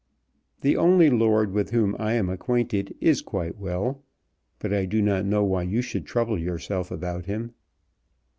"The only lord with whom I am acquainted is quite well; but I do not know why you should trouble yourself about him."